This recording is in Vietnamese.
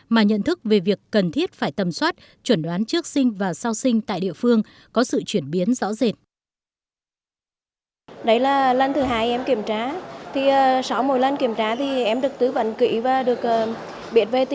mà nhận thức về việc cần thiết phải tầm soát chuẩn đoán trước sinh và sau sinh tại địa phương có sự chuyển biến rõ rệt